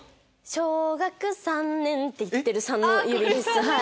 小学３年って言ってる３の指です。